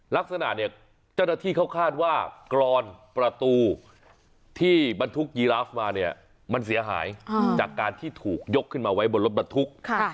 ลักษณะเนี่ยเจ้าหน้าที่เขาคาดว่ากรอนประตูที่บรรทุกยีราฟมาเนี่ยมันเสียหายจากการที่ถูกยกขึ้นมาไว้บนรถบรรทุก